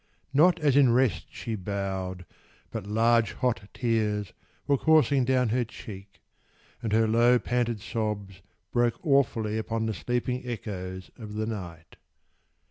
Not as in rest she bowed, But large hot tears were coursing down her cheek, And her low panted sobs broke awefully Upon the sleeping echoes of the night.